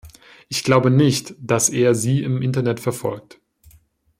Ich glaube nicht, dass er sie im Internet verfolgt.